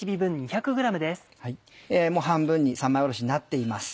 もう半分に三枚おろしになっています。